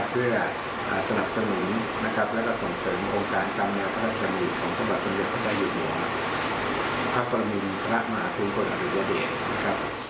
เพื่อสนับสนุนและส่งเสริมองค์การกำเนียวพระราชนมิตรของพระบัติศักดิ์ประชาชนมิตรพระปรมินทรมาคุณคนอริยเดชน์